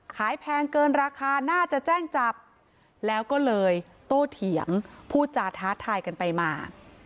แพงเกินราคาน่าจะแจ้งจับแล้วก็เลยโตเถียงพูดจาท้าทายกันไปมา